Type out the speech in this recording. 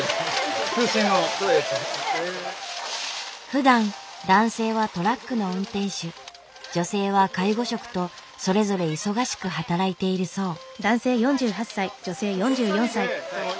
ふだん男性はトラックの運転手女性は介護職とそれぞれ忙しく働いているそう。